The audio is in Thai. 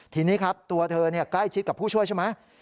ทีนี้ครับตัวเธอใกล้ชิดกับผู้ช่วยใช่ไหม